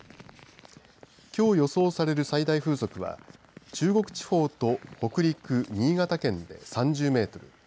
きょう予想される最大風速は中国地方と北陸新潟県で３０メートル。